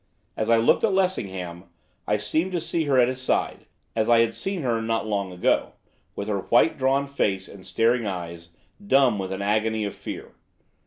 As I looked at Lessingham, I seemed to see her at his side, as I had seen her not long ago, with her white, drawn face, and staring eyes, dumb with an agony of fear.